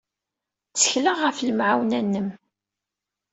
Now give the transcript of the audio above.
Ttekleɣ ɣef lemɛawna-nnem.